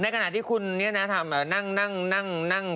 ในขณะที่คุณนั่งนั่งนั่งนั่ง